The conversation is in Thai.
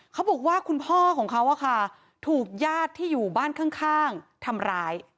เขาบอกว่าคุณพ่อของเขาถูกญาติที่อยู่บ้านข้างทำร้าย